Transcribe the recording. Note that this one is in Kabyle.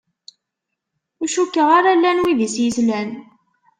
Ur cukkeɣ ara llan wid i s-yeslan.